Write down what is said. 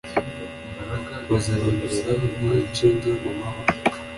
bazabamerera nk inshinge mumahwa